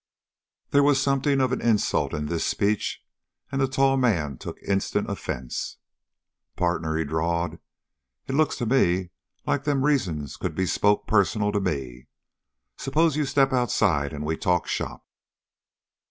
There was something of an insult in this speech and the tall man took instant offense. "Partner," he drawled, "it looks to me like them reasons could be spoke personal to me. Suppose you step outside and we talk shop?"